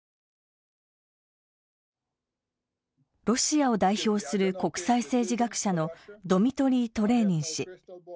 ロシアを代表する国際政治学者のドミトリー・トレーニン氏。